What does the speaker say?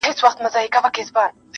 تش په نام اسلام اباده سې برباده،